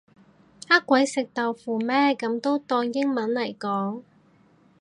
呃鬼食豆腐咩噉都當英文嚟講